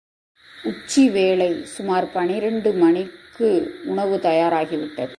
உச்சி வேளை சுமார் பனிரண்டு மணிக்கு உணவு தயாராகிவிட்டது.